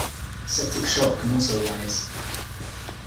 Septic shock can also arise.